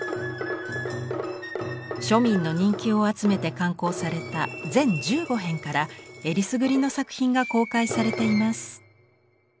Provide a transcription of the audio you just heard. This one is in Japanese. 庶民の人気を集めて刊行された全１５編からえりすぐりの作品が公開されています。